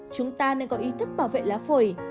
chúng ta nên có ý thức bảo vệ lá phổi